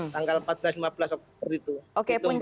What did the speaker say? tanggal empat belas lima belas oktober itu